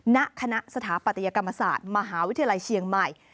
ณคณะสถาปัตยกรรมศาสตร์มหาวิทยาลัยเชียงใหม่